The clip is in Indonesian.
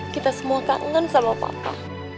kita semua kangen sama papa